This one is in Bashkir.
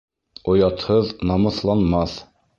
Оятһыҙ намыҫланмаҫ.